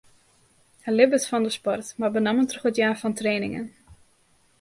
Hy libbet fan de sport, mar benammen troch it jaan fan trainingen.